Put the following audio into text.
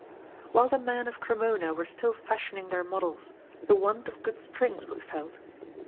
While the men of Cremona were still fashioning their models the want of good strings was felt.